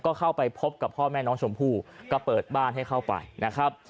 ก็เข้าไปพบกับพ่อแม่น้องชมพู่ก็เปิดบ้านให้เข้าไปนะครับ